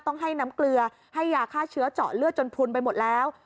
ต้องให้น้ำเกลือให้ยาฆ่าเชื้อเจาะเลือดจนพุนไปหมดแล้ว